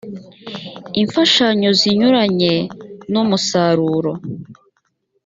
infashanyo zinyuranye n umusaruro